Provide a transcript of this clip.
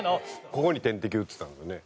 ここに点滴打ってたもんね。